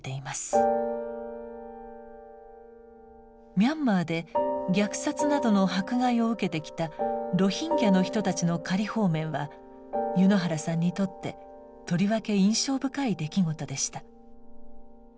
ミャンマーで虐殺などの迫害を受けてきたロヒンギャの人たちの仮放免は柚之原さんにとってとりわけ印象深い出来事でした。